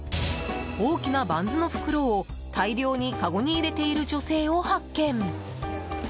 大きなバンズの袋を大量にかごに入れている女性を発見。